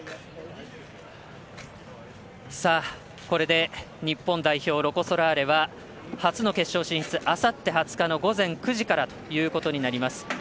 これで日本代表、ロコ・ソラーレは初の決勝進出、あさって２０日の午前９時からということになります。